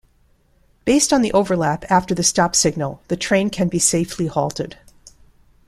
Based on the overlap after the stop signal the train can be safely halted.